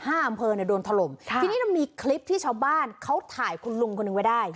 ห้าอำเภอโดนถล่มที่นี่มันมีคลิปที่ชาวบ้านเขาถ่ายคุณลุงคนนึงไว้ได้